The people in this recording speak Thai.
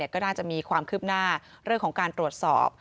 ก็น่าจะมีความคืบหน้าเรื่องของการตรวจสอบ